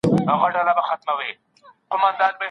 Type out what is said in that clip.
ډاکټره باید د لوړ ږغ سره پاڼه ړنګه کړي.